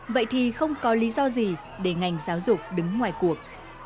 vậy thì không có lý do gì để ngành giáo dục đứng ngoài cuộc